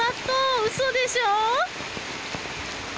うそでしょ。